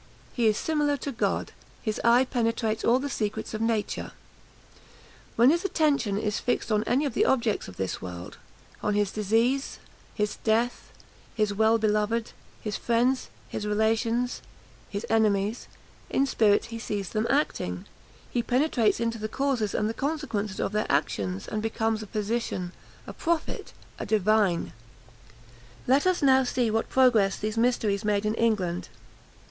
He is similar to God: his eye penetrates all the secrets of nature. When his attention is fixed on any of the objects of this world on his disease, his death, his well beloved, his friends, his relations, his enemies in spirit he sees them acting; he penetrates into the causes and the consequences of their actions; he becomes a physician, a prophet, a divine!" See Foreign Review and Continental Miscellany, vol. v. p. 113. Let us now see what progress these mysteries made in England.